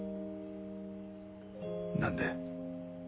何で？